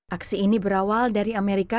aksi ini berawal dari amerika